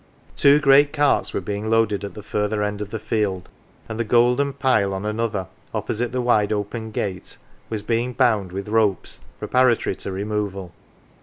Two great carts were being loaded at the further end of the field, and the golden pile on another, opposite the wide open gate, was being bound with ropes preparatory to removal.